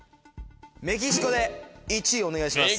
メキシコで１位お願いします。